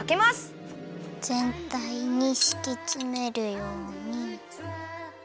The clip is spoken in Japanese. ぜんたいにしきつめるように。